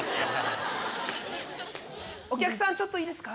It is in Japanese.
お客さんちょっといいですか？